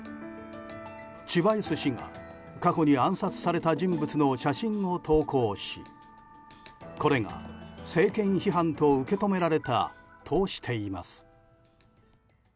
チュバイス氏が過去に暗殺された人物の写真を投稿しこれが、政権批判と受け止められたとしています。